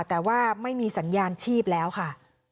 แต่ว่าไม่มีสัญญาณชีพแล้วค่ะ